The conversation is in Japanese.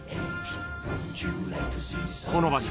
［この場所